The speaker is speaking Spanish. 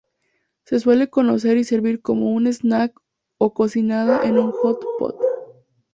Se suele cocer y servir como un snack o cocinada en un hot pot.